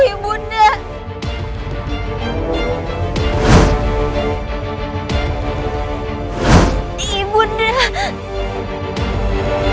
ibu dahat tolong aku